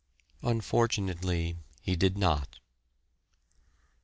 Unfortunately, he did not.